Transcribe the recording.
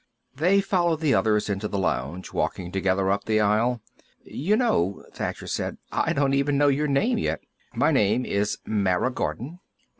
They followed the others into the lounge, walking together up the aisle. "You know," Thacher said, "I don't even know your name, yet." "My name is Mara Gordon."